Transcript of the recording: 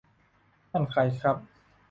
นั่นใครครับ